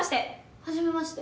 はじめまして。